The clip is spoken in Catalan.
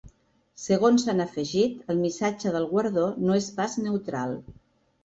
Segons han afegit, el missatge del guardó ‘no és pas neutral’.